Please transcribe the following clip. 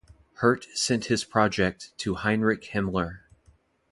Hirt sent his project to Heinrich Himmler.